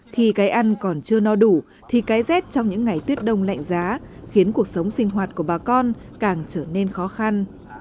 khi cái ăn còn chưa no đủ thì cái rét trong những ngày tuyết đông lạnh giá khiến cuộc sống sinh hoạt của bà con càng trở nên khó khăn